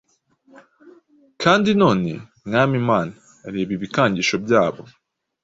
Kandi none, Mwami Imana, reba ibikangisho byabo,